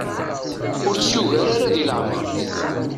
Ur tt-yugar ara di leɛmer.